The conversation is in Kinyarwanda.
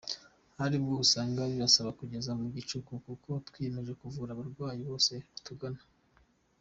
Hari ubwo usanga bibasaba kugeza mu gicuku kuko twiyemeje kuvura abarwayi bose batugana.